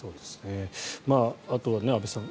あとは安部さん